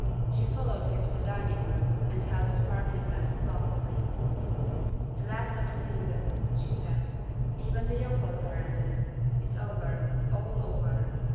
She followed him to the dining room and held the sparkling glass thoughtfully. " The last of the season," she said; " even the opals are ended. It's over all over.